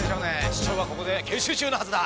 市長はここで研修中のはずだ。